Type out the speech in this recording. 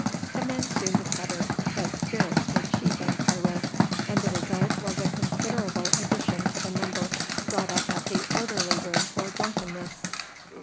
The men soon discovered that spirits were cheap in Cairo, and the result was a considerable addition to the number brought up at the orderly room for drunkenness.